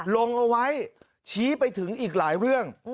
ลงเอาไว้ชี้ไปถึงอีกหลายเรื่อง